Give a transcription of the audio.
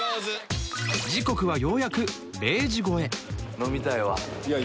時刻はようやく０時越え飲みたいわ。